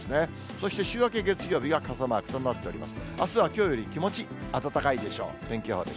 そして週明け月曜日が傘マークとなっております。